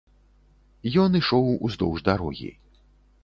Ён ішоў уздоўж дарогі.